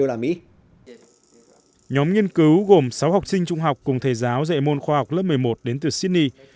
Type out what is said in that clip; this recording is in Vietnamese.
nhóm nghiên cứu gồm sáu học sinh trung học cùng thầy giáo dạy môn khoa học lớp một mươi một đến từ sydney